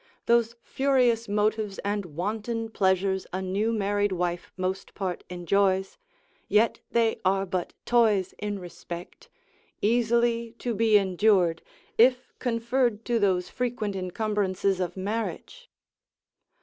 those furious motives and wanton pleasures a new married wife most part enjoys; yet they are but toys in respect, easily to be endured, if conferred to those frequent encumbrances of marriage.